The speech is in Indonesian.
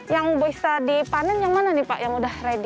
yang bisa dipanen yang mana pak yang sudah ready